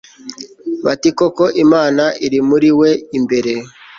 bati koko imana iri muriwe imbere